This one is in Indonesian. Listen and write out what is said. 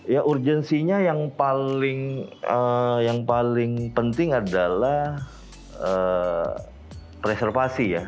ya urgensinya yang paling penting adalah preservasi ya